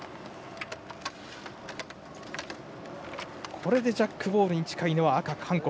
これでジャックボールに近いのは赤、韓国。